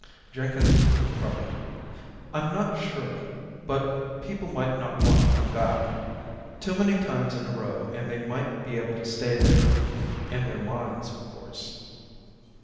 Jenkins looked troubled. "I'm not sure, but people might not want to come back. Too many times in a row and they might be able to stay there ... in their minds of course."